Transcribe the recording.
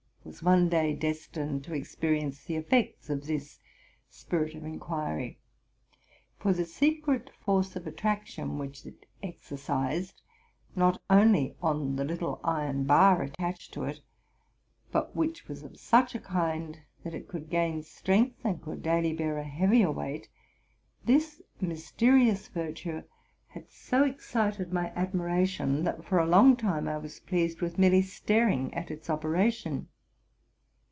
was one day destined to experience the effects of this spirit of inquiry. For the secret force of attraction which it exercised, not only on the little iron bar attached to it, but which was of such a kind that it could gain strength and could daily bear a heavier weight, — this mysterious virtue had so excited my admiration, that for a long time I was pleased with merely staring at its operation.